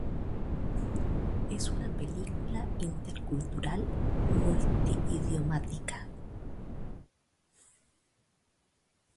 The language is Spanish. Es una película intercultural multi-idiomática.